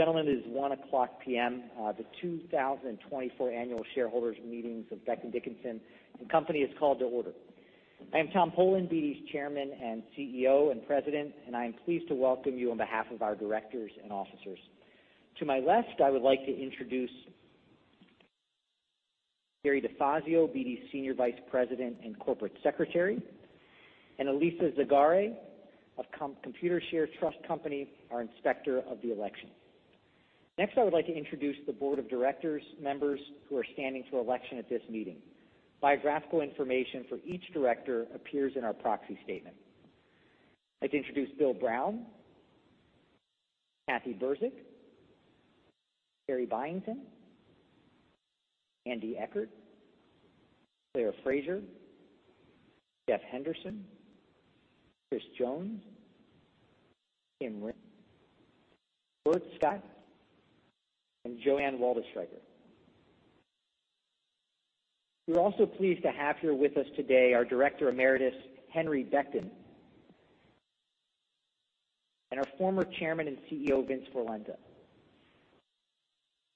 Ladies and gentlemen, it is 1:00 P.M. The 2024 Annual Shareholders Meetings of Becton, Dickinson and Company is called to order. I am Tom Polen, BD's Chairman and CEO and President, and I am pleased to welcome you on behalf of our directors and officers. To my left, I would like to introduce Gary DeFazio, BD's Senior Vice President and Corporate Secretary, and Alisa Zagare of Computershare Trust Company, our Inspector of the Elections. Next, I would like to introduce the Board of Directors members who are standing for election at this meeting. Biographical information for each director appears in our proxy statement. I'd like to introduce Bill Brown, Kathy Burzik, Carrie Byington, Andy Eckert, Claire Fraser, Jeff Henderson, Chris Jones, Tim Ring, Bert Scott, and Joanne Waldstreicher We're also pleased to have here with us today our Director Emeritus, Henry Becton, and our former Chairman and CEO, Vincent Forlenza.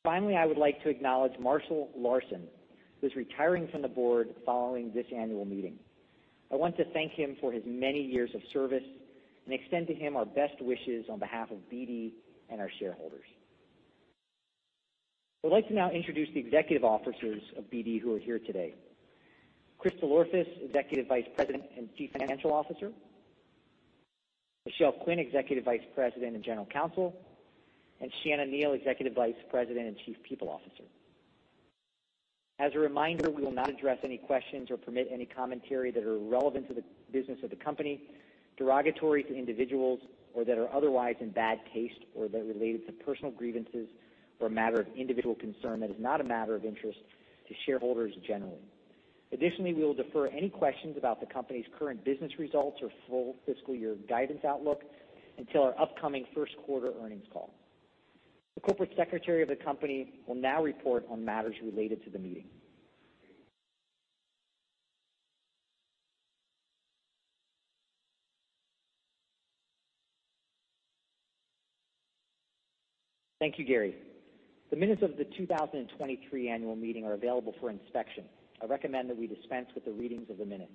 Finally, I would like to acknowledge Marshall Larsen, who is retiring from the board following this annual meeting. I want to thank him for his many years of service and extend to him our best wishes on behalf of BD and our shareholders. I would like to now introduce the executive officers of BD who are here today. Christopher DelOrefice, Executive Vice President and Chief Financial Officer, Michelle Quinn, Executive Vice President and General Counsel, and Shanna Neal, Executive Vice President and Chief People Officer. As a reminder, we will not address any questions or permit any commentary that are irrelevant to the business of the company, derogatory to individuals, or that are otherwise in bad taste, or that are related to personal grievances, or a matter of individual concern that is not a matter of interest to shareholders generally. Additionally, we will defer any questions about the company's current business results or full fiscal year guidance outlook until our upcoming first quarter earnings call. The corporate secretary of the company will now report on matters related to the meeting. Thank you, Gary. The minutes of the 2023 annual meeting are available for inspection. I recommend that we dispense with the readings of the minutes.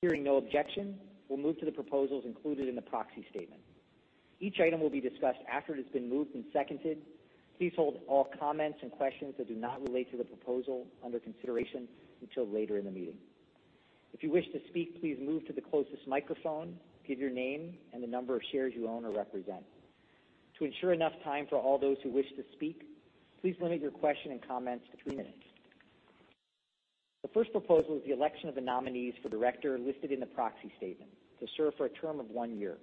Hearing no objection, we'll move to the proposals included in the proxy statement. Each item will be discussed after it has been moved and seconded. Please hold all comments and questions that do not relate to the proposal under consideration until later in the meeting. If you wish to speak, please move to the closest microphone, give your name and the number of shares you own or represent. To ensure enough time for all those who wish to speak, please limit your question and comments to three minutes. The first proposal is the election of the nominees for director, listed in the proxy statement, to serve for a term of one year.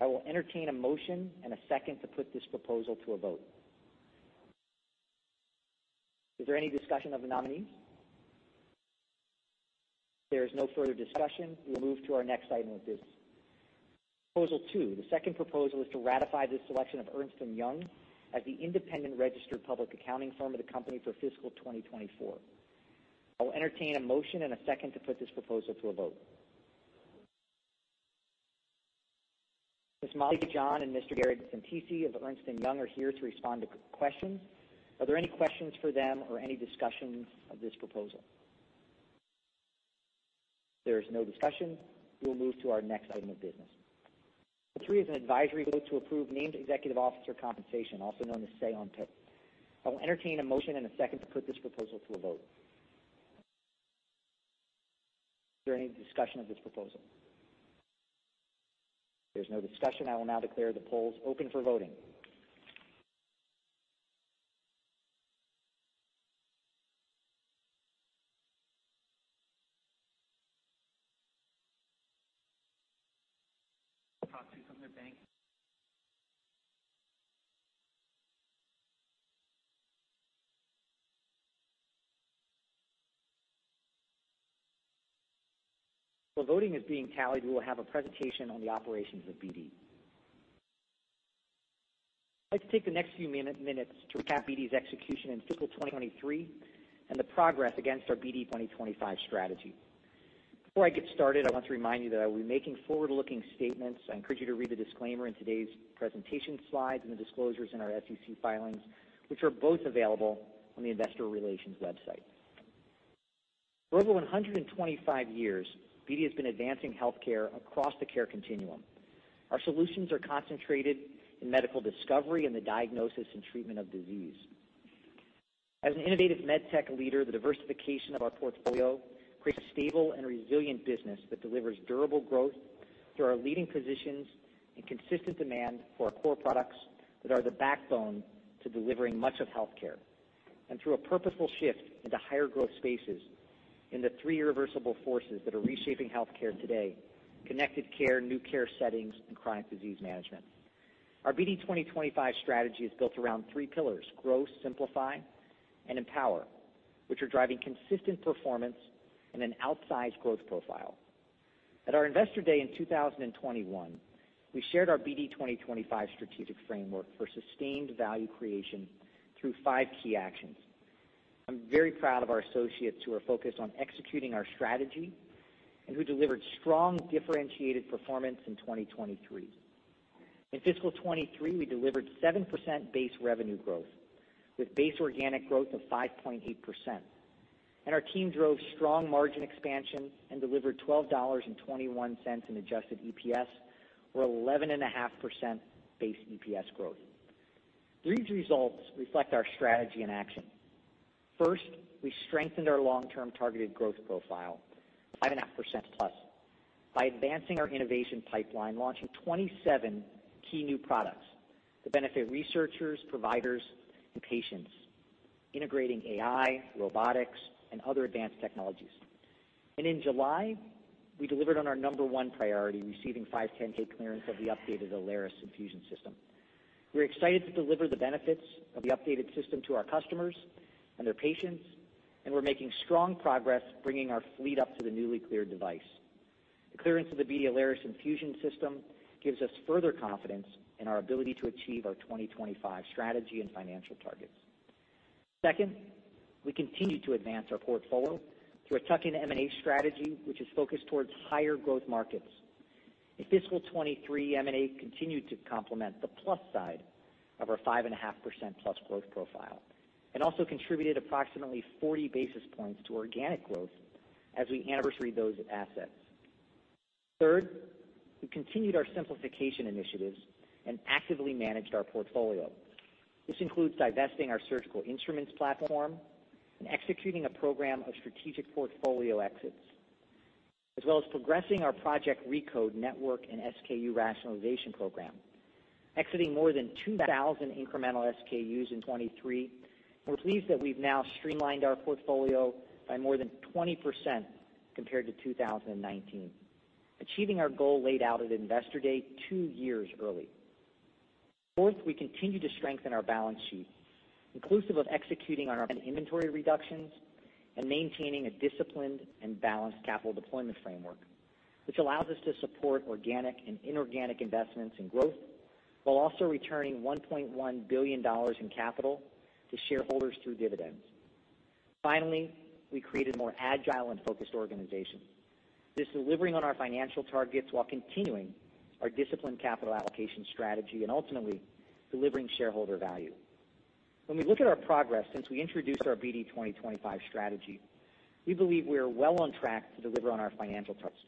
I will entertain a motion and a second to put this proposal to a vote. Is there any discussion of the nominees? If there is no further discussion, we'll move to our next item of business. Proposal two: The second proposal is to ratify the selection of Ernst & Young as the independent registered public accounting firm of the company for fiscal 2024. I will entertain a motion and a second to put this proposal to a vote. Ms. Molly John and Mr. Gary Santisi of Ernst & Young are here to respond to questions. Are there any questions for them or any discussions of this proposal? If there is no discussion, we'll move to our item of business. 3 is an advisory vote to approve named executive officer compensation, also known as Say on Pay. I will entertain a motion and a second to put this proposal to a vote. Is there any discussion of this proposal? If there's no discussion, I will now declare the polls open for voting. While voting is being tallied, we will have a presentation on the operations of BD. I'd like to take the next few minutes to recap BD's execution in fiscal 2023 and the progress against our BD 2025 strategy. Before I get started, I want to remind you that I will be making forward-looking statements. I encourage you to read the disclaimer in today's presentation slides and the disclosures in our SEC filings, which are both available on the investor relations website. For over 125 years, BD has been advancing healthcare across the care continuum. Our solutions are concentrated in medical discovery and the diagnosis and treatment of disease. As an innovative med tech leader, the diversification of our portfolio creates a stable and resilient business that delivers durable growth through our leading positions and consistent demand for our core products that are the backbone to delivering much of healthcare. Through a purposeful shift into higher growth spaces in the three irreversible forces that are reshaping healthcare today: connected care, new care settings, and chronic disease management. Our BD 2025 strategy is built around three pillars: grow, simplify, and empower, which are driving consistent performance and an outsized growth profile. At our Investor Day in 2021, we shared our BD 2025 strategic framework for sustained value creation through five key actions. I'm very proud of our associates who are focused on executing our strategy and who delivered strong, differentiated performance in 2023. In fiscal 2023, we delivered 7% base revenue growth, with base organic growth of 5.8%, and our team drove strong margin expansion and delivered $12.21 in adjusted EPS, or 11.5% base EPS growth. These results reflect our strategy in action. First, we strengthened our long-term targeted growth profile, 5.5%+, by advancing our innovation pipeline, launching 27 key new products to benefit researchers, providers, and patients, integrating AI, robotics, and other advanced technologies. And in July, we delivered on our number 1 priority, receiving 510(k) clearance of the updated Alaris infusion system. We're excited to deliver the benefits of the updated system to our customers and their patients, and we're making strong progress bringing our fleet up to the newly cleared device. The clearance of the BD Alaris infusion system gives us further confidence in our ability to achieve our 2025 strategy and financial targets. Second, we continue to advance our portfolio through a tuck-in M&A strategy, which is focused towards higher growth markets. In fiscal 2023, M&A continued to complement the plus side of our 5.5%+ growth profile, and also contributed approximately 40 basis points to organic growth as we anniversary those assets. Third, we continued our simplification initiatives and actively managed our portfolio. This includes divesting our surgical instruments platform and executing a program of strategic portfolio exits, as well as progressing our Project Recode network and SKU rationalization program, exiting more than 2,000 incremental SKUs in 2023. We're pleased that we've now streamlined our portfolio by more than 20% compared to 2019, achieving our goal laid out at Investor Day two years early. Fourth, we continue to strengthen our balance sheet, inclusive of executing on our inventory reductions and maintaining a disciplined and balanced capital deployment framework, which allows us to support organic and inorganic investments in growth, while also returning $1.1 billion in capital to shareholders through dividends. Finally, we created a more agile and focused organization. This is delivering on our financial targets while continuing our disciplined capital allocation strategy and ultimately delivering shareholder value. When we look at our progress since we introduced our BD 2025 strategy, we believe we are well on track to deliver on our financial targets.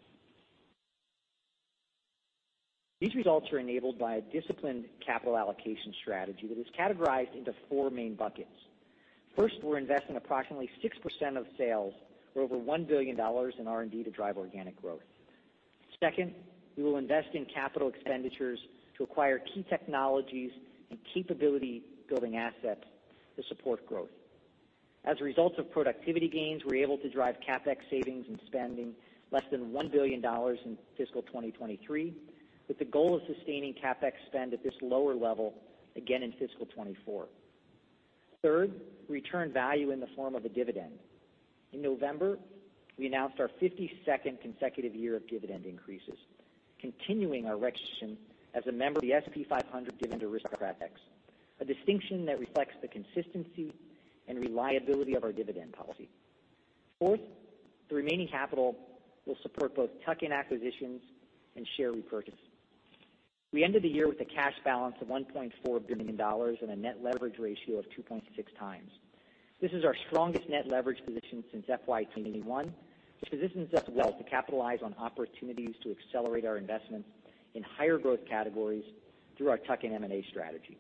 These results are enabled by a disciplined capital allocation strategy that is categorized into four main buckets. First, we're investing approximately 6% of sales, or over $1 billion in R&D, to drive organic growth. Second, we will invest in capital expenditures to acquire key technologies and capability-building assets to support growth. As a result of productivity gains, we're able to drive CapEx savings and spending less than $1 billion in fiscal 2023, with the goal of sustaining CapEx spend at this lower level again in fiscal 2024. Third, return value in the form of a dividend. In November, we announced our 52nd consecutive year of dividend increases, continuing our recognition as a member of the S&P 500 Dividend Aristocrats, a distinction that reflects the consistency and reliability of our dividend policy. Fourth, the remaining capital will support both tuck-in acquisitions and share repurchases. We ended the year with a cash balance of $1.4 billion and a net leverage ratio of 2.6 times. This is our strongest net leverage position since FY 2021, which positions us well to capitalize on opportunities to accelerate our investments in higher growth categories through our tuck-in M&A strategy.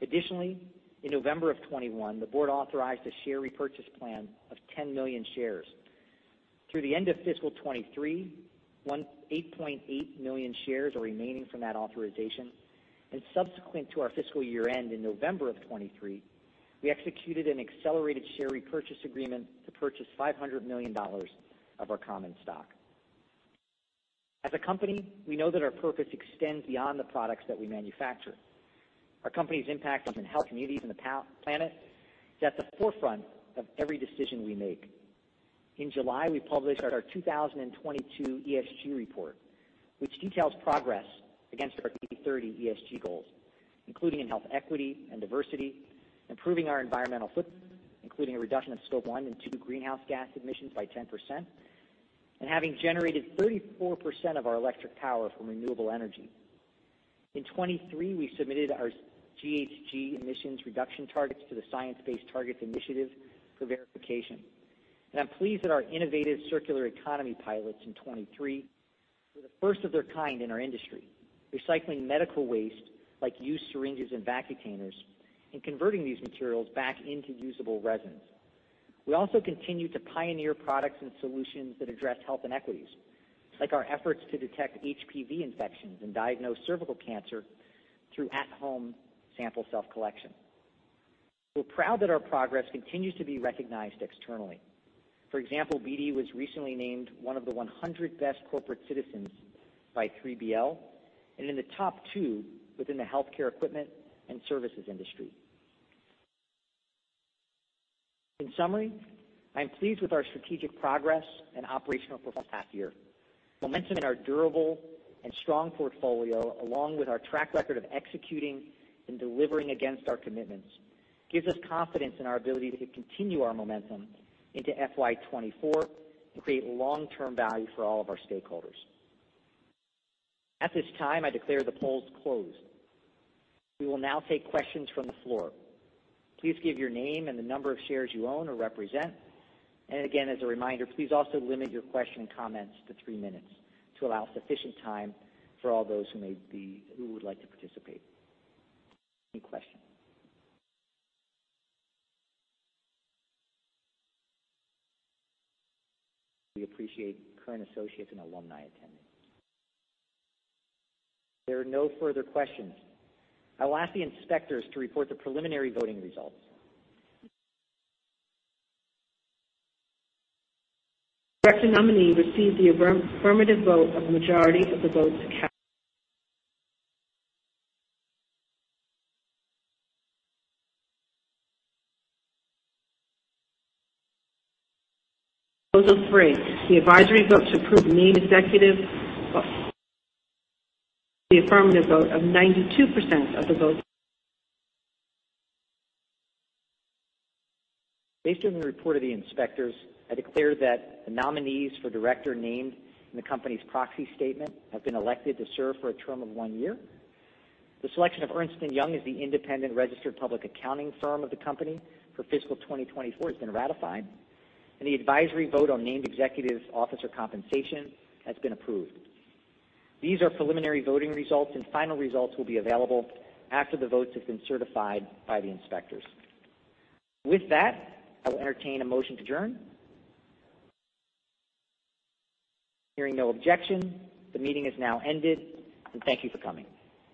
Additionally, in November 2021, the board authorized a share repurchase plan of 10 million shares. Through the end of fiscal 2023, 8.8 million shares are remaining from that authorization, and subsequent to our fiscal year-end in November 2023, we executed an accelerated share repurchase agreement to purchase $500 million of our common stock. As a company, we know that our purpose extends beyond the products that we manufacture. Our company's impact on health, communities, and the planet is at the forefront of every decision we make. In July, we published our 2022 ESG report, which details progress against our 30 ESG goals, including in health, equity, and diversity, improving our environmental footprint, including a reduction of Scope 1 and 2 greenhouse gas emissions by 10%, and having generated 34% of our electric power from renewable energy. In 2023, we submitted our GHG emissions reduction targets to the Science Based Targets Initiative for verification, and I'm pleased that our innovative circular economy pilots in 2023 were the first of their kind in our industry, recycling medical waste like used syringes and Vacutainers, and converting these materials back into usable resins. We also continue to pioneer products and solutions that address health inequities, like our efforts to detect HPV infections and diagnose cervical cancer through at-home sample self-collection. We're proud that our progress continues to be recognized externally. For example, BD was recently named one of the 100 best corporate citizens by 3BL and in the top two within the healthcare equipment and services industry. In summary, I'm pleased with our strategic progress and operational for the past year. Momentum in our durable and strong portfolio, along with our track record of executing and delivering against our commitments, gives us confidence in our ability to continue our momentum into FY 2024 and create long-term value for all of our stakeholders. At this time, I declare the polls closed. We will now take questions from the floor. Please give your name and the number of shares you own or represent. And again, as a reminder, please also limit your question and comments to three minutes to allow sufficient time for all those who would like to participate. Any questions? We appreciate current associates and alumni attending. There are no further questions. I will ask the inspectors to report the preliminary voting results. Director nominee received the affirmative vote of the majority of the votes cast. Proposal three: The advisory vote to approve named executive the affirmative vote of 92% of the vote. Based on the report of the inspectors, I declare that the nominees for director named in the company's proxy statement have been elected to serve for a term of one year. The selection of Ernst & Young as the independent registered public accounting firm of the company for fiscal 2024 has been ratified, and the advisory vote on named executive officer compensation has been approved. These are preliminary voting results, and final results will be available after the votes have been certified by the inspectors. With that, I will entertain a motion to adjourn. Hearing no objection, the meeting is now ended, and thank you for coming.